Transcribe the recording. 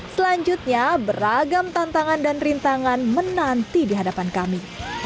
selanjutnya beragam tantangan dan rintangan menanti di hadapan kami